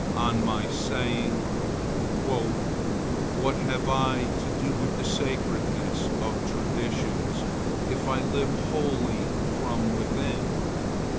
On my saying, "What have I to do with the sacredness of traditions, if I live wholly from within?"